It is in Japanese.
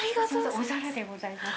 おざらでございます。